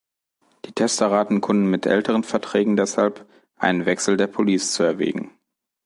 Die Tester raten Kunden mit älteren Verträgen deshalb, einen Wechsel der Police zu erwägen.